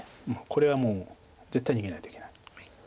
これはもう絶対逃げないといけない。